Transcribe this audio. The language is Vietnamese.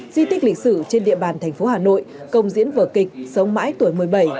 di tích lịch sử trên địa bàn thành phố hà nội công diễn vở kịch sống mãi tuổi một mươi bảy